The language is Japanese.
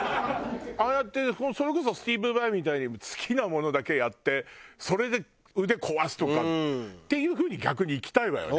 ああやってそれこそスティーヴ・ヴァイみたいに好きなものだけやってそれで腕壊すとかっていう風に逆に生きたいわよね。